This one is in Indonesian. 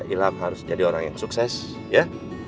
ilaf harus jadi orang yang sukses ya